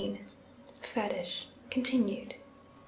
FETISH (continued).